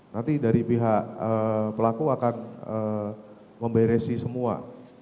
nanti dari pihak pelaku akan memberesi semua